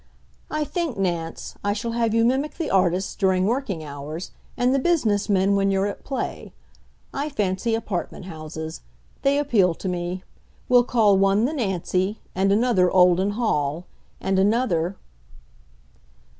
I think, Nance, I shall have you mimic the artists during working hours and the business men when you're at play. I fancy apartment houses. They appeal to me. We'll call one 'The Nancy' and another 'Olden Hall' and another..."